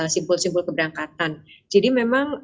simpul simpul keberangkatan jadi memang